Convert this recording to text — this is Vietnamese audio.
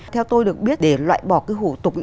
theo tôi được biết để loại bỏ cái hủ tục